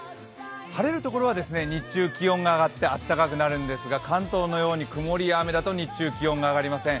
晴れる所は日中気温が上がって暖かくなるんですが、関東のように曇りや雨だと日中、気温が上がりません。